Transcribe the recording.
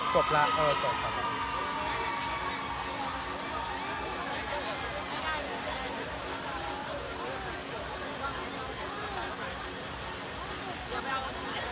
จบแล้ว